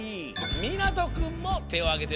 みなとくんもてをあげてました。